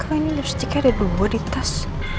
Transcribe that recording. kau ini lipsticknya ada dua di tas